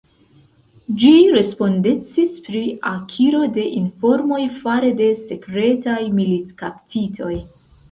Ĝi respondecis pri akiro de informoj fare de sekretaj militkaptitoj.